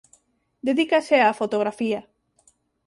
Dedícase á fotografía.